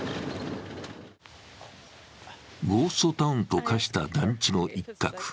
ゴーストタウンと化した団地の一角。